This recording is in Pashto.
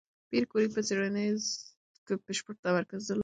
پېیر کوري په څېړنو کې بشپړ تمرکز درلود.